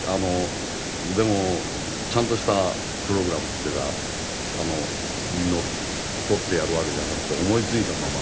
でもちゃんとしたプログラムにのっとってやるわけじゃなくて思いついたまま。